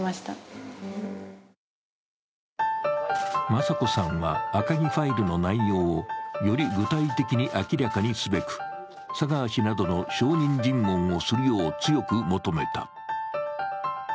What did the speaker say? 雅子さんは、赤木ファイルの内容をより具体的に明らかにすべく、佐川氏などの証人尋問をするよう強く求めた。